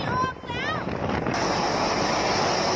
ไอโรคเจ็ด